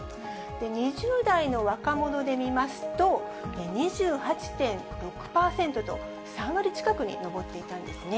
２０代の若者で見ますと、２８．６％と３割近くに上っていたんですね。